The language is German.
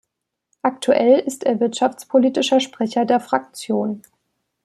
Aktuell ist er wirtschaftspolitischer Sprecher der Fraktion.